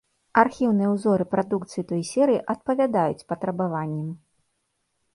Архіўныя ўзоры прадукцыі той серыі адпавядаюць патрабаванням.